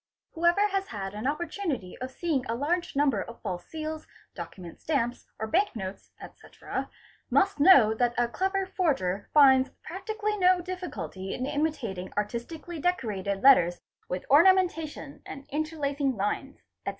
| Whoever has had an opportunity of seeing a large number of false seals, document stamps, or bank notes, etc., must know that a clever forger finds practically no difficulty in imitating artistically decorated letters with ornamentation and interlacing lines, etc.